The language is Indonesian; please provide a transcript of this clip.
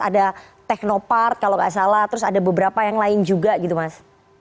ada teknopard kalau nggak salah terus ada beberapa yang lain juga gitu mas